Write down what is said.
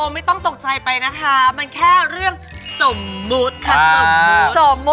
ไม่ต้องตกใจไปนะคะมันแค่เรื่องสมมุติค่ะ